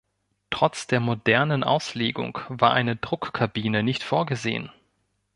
Trotz der modernen Auslegung war eine Druckkabine nicht vorgesehen.